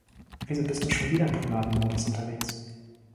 Wieso bist du schon wieder im privaten Modus unterwegs?